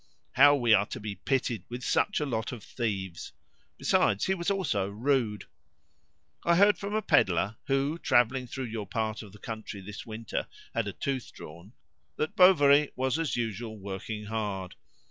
How we are to be pitied with such a lot of thieves! Besides, he was also rude. I heard from a pedlar, who, travelling through your part of the country this winter, had a tooth drawn, that Bovary was as usual working hard.